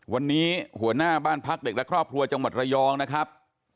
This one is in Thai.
วันนี้หัวหน้าบ้านพักเด็กและครอบครัวจังหวัดระยองนะครับ